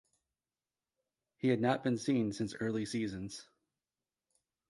He had not been seen since early seasons.